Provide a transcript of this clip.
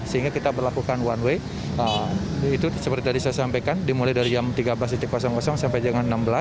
sehingga kita berlakukan one way itu seperti tadi saya sampaikan dimulai dari jam tiga belas sampai dengan enam belas